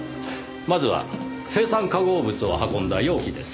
まずは青酸化合物を運んだ容器です。